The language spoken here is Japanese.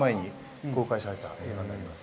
今から５５年前に公開された映画になります。